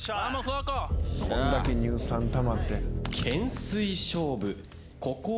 こんだけ乳酸たまって。